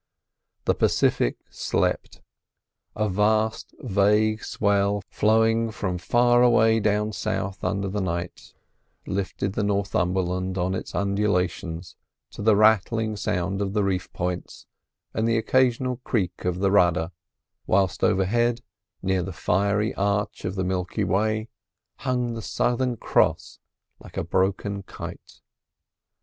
The Pacific slept; a vast, vague swell flowing from far away down south under the night, lifted the Northumberland on its undulations to the rattling sound of the reef points and the occasional creak of the rudder; whilst overhead, near the fiery arch of the Milky Way, hung the Southern Cross like a broken kite.